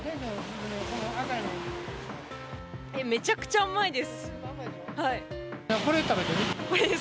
めちゃくちゃ甘いです。